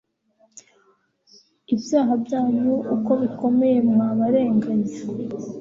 ibyaha byanyu uko bikomeye mwa barenganya